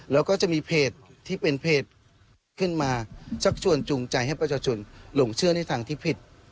แล้วก็จะมีเพจที่เป็นเพจขึ้นมาชักชวนจูงใจให้ประชาชนหลงเชื่อในทางที่ผิด